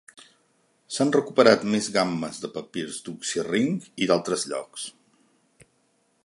S'han recuperat més gammes de papirs d'Oxirrinc i d'altres llocs.